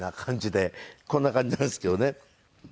こんな感じなんですけどね。